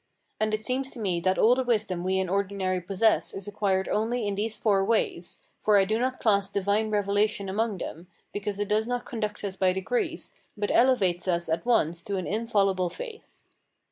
And it seems to me that all the wisdom we in ordinary possess is acquired only in these four ways; for I do not class divine revelation among them, because it does not conduct us by degrees, but elevates us at once to an infallible faith.